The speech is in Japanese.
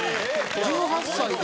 １８歳で。